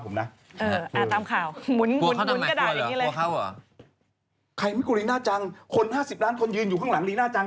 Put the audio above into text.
ใครไม่กลัวลีน่าจังคน๕๐ล้านคนยืนอยู่ข้างหลังลีน่าจัง